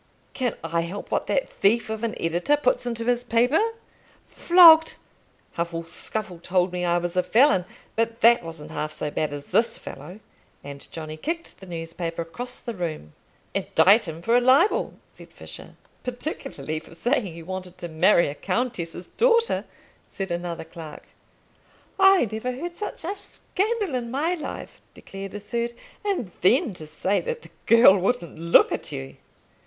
"Can I help what that thief of an editor puts into his paper? Flogged! Huffle Scuffle told me I was a felon, but that wasn't half so bad as this fellow;" and Johnny kicked the newspaper across the room. "Indict him for a libel," said Fisher. "Particularly for saying you wanted to marry a countess's daughter," said another clerk. "I never heard such a scandal in my life," declared a third; "and then to say that the girl wouldn't look at you."